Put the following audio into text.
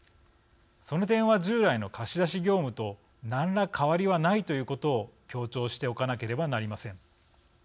その点は従来の貸し出し業務と何ら変わりはないということを強調しておかなければなりません。